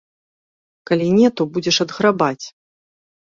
Калі не, то будзеш адграбаць.